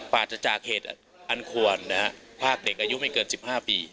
ปลาจจากเหตุอ่านควรภาคเด็กอายุไม่เกิน๑๕ปี